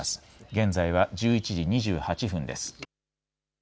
現在は１１時２８分です。